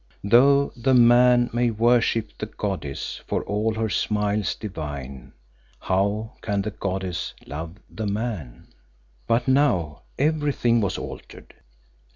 Though the man may worship the goddess, for all her smiles divine, how can the goddess love the man? But now everything was altered!